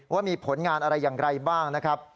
ว่ามีผลงานอะไรอย่างไรบ้างนะครับ